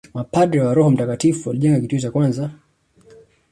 Mapadre wa Roho mtakatifu walijenga kituo chao cha kwanza